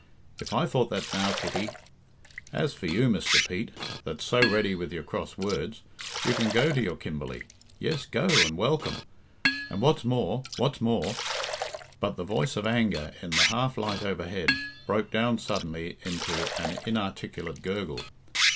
"If I thought that now, Kitty " "As for you, Mr. Pete, that's so ready with your cross words, you can go to your Kimberley. Yes, go, and welcome; and what's more what's more " But the voice of anger, in the half light overhead, broke down suddenly into an inarticulate gurgle.